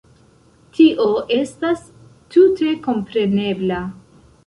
Tio estas tute komprenebla.